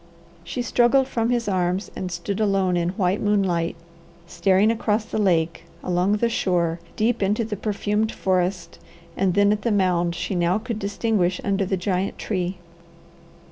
She struggled from his arms and stood alone in white moonlight, staring across the lake, along the shore, deep into the perfumed forest, and then at the mound she now could distinguish under the giant tree.